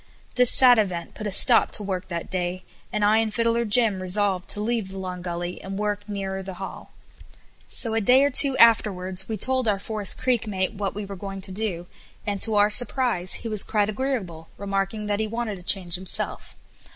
This sad event put a stop to work that day, and I and Fiddler Jim resolved to leave the Long Gully, and work nearer the hall. So a day or two afterwards we told our Forest Creek mate what we were going to do, and, to our surprise, he was quite agreeable, remarking that he wanted a change himself.